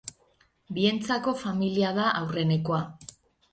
Bientzako, familia da aurrenekoa.